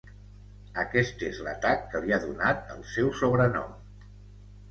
Aquest és l'atac que li ha donat el seu sobrenom.